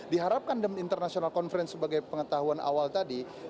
diharapkan international conference sebagai pengetahuan awal tadi